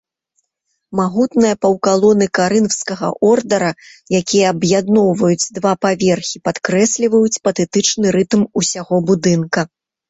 Магутныя паўкалоны карынфскага ордара, якія аб'ядноўваюць два паверхі, падкрэсліваюць патэтычны рытм усяго будынка.